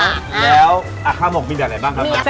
แล้วข้าวหมกมีแต่อะไรบ้างครับ